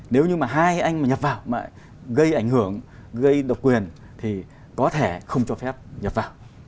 nếu như mà hai anh mà nhập vào mà gây ảnh hưởng gây độc quyền thì có thể không cho phép nhập vào